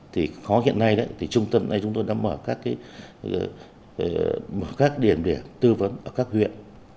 thì khó hiện nay trung tâm này chúng tôi đã mở các điểm để tư vấn ở các huyện